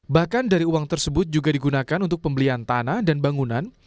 bahkan dari uang tersebut juga digunakan untuk pembelian tanah dan bangunan